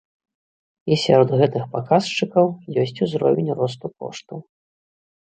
І сярод гэтых паказчыкаў ёсць узровень росту коштаў.